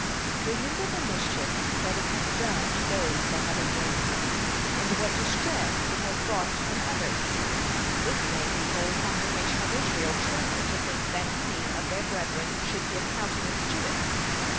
Remember the mischiefs that it has done to those that have embraced it, and what distress it has brought upon others. This made the whole congregation of Israel tremble to think that any of their brethren should give countenance to it.